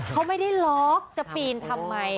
เขาไม่ได้ล็อกจะปีนทำไม